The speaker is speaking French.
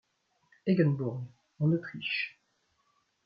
Eggenburg en Autriche.